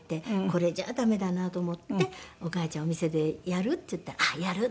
これじゃダメだなと思って「お母ちゃんお店でやる？」って言ったら「あっやる」とかって。